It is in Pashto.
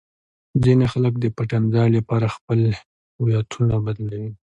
ځینې خلک د پټنځای لپاره خپلې هویتونه بدلوي.